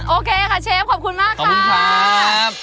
โอเคค่ะเชฟขอบคุณมากค่ะขอบคุณครับ